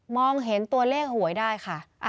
เห็นตัวเลขหวยได้ค่ะ